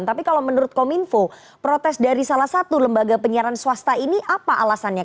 tapi kalau menurut kominfo protes dari salah satu lembaga penyiaran swasta ini apa alasannya